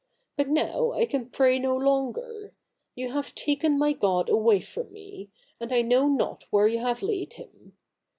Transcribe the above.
But now I can pray no longer. You have taken my God avv^ay from me, and I know not where you have laid Him.